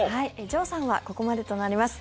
城さんはここまでとなります。